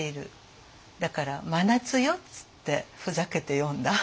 だから真夏よっつってふざけて詠んだ。